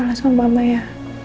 aku buat salah soal mama ya